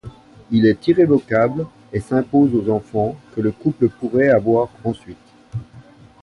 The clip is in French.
Il est irrévocable et s'impose aux enfants que le couple pourrait avoir ensuite.